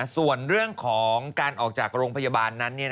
ส่วนเรื่องของการออกจากโรงพยาบาลนั้น